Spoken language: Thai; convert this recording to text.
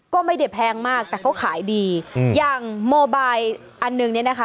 ก็ไม่ได้แพงมากแต่เขาขายดีอืมอย่างโมบายอันหนึ่งเนี่ยนะคะ